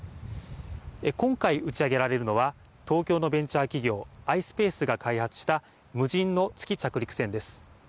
今回、打ち上げられるのは東京のベンチャー企業、ｉｓｐａｃｅが開発した無人の月着陸船です。